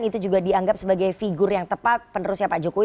itu juga dianggap sebagai figur yang tepat penerusnya pak jokowi